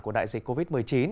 của đại dịch covid một mươi chín